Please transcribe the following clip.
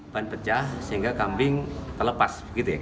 ban pecah sehingga kambing terlepas